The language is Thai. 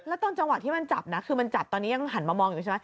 แล้วตอนจังหวะที่มันจับนะคือมันจับตอนนี้ยังหันมามองอยู่ใช่ไหม